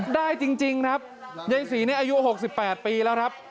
ได้จริงครับยายศรีนี่อายุ๖๘ปีแล้วครับ